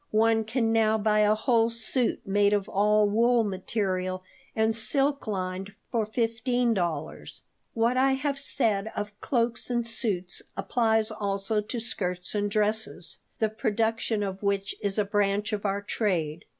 One can now buy a whole suit made of all wool material and silk lined for fifteen dollars What I have said of cloaks and suits applies also to skirts and dresses, the production of which is a branch of our trade.